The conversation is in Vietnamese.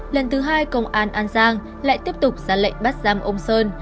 lần thứ hai công an an giang lại tiếp tục ra lệnh bắt giam ông sơn